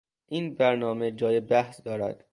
این برنامه جای بحث دارد.